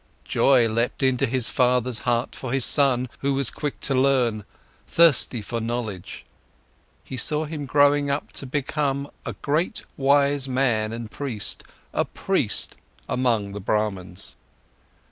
Joy leapt in his father's heart for his son who was quick to learn, thirsty for knowledge; he saw him growing up to become great wise man and priest, a prince among the Brahmans.